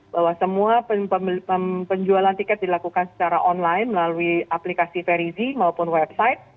bahwa semua penjualan tiket dilakukan secara online melalui aplikasi ferizi maupun website